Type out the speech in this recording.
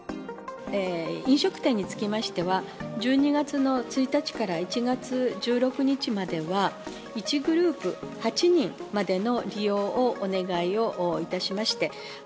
飲食店につきましては、１２月の１日から１月１６日までは、１グループ８人までの利用をお願いをいたしまして。